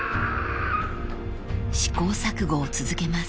［試行錯誤を続けます］